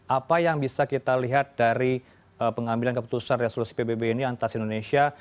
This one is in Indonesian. apa yang bisa kita lihat dari pengambilan keputusan resolusi pbb ini antas indonesia